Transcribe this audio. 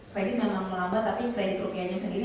kredit memang melambat tapi kredit rupiahnya sendiri